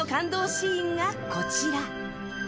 シーンがこちら。